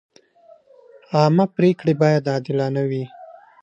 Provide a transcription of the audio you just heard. عامه پریکړې باید عادلانه وي.